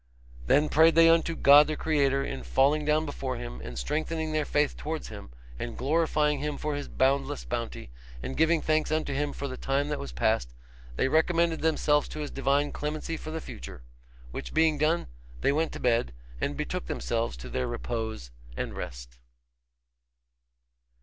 Then prayed they unto God the Creator, in falling down before him, and strengthening their faith towards him, and glorifying him for his boundless bounty; and, giving thanks unto him for the time that was past, they recommended themselves to his divine clemency for the future. Which being done, they went to bed, and betook themselves to their repose and rest.